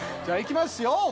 じゃあいきますよ